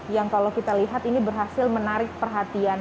yang kalau kita lihat ini berhasil menarik perhatian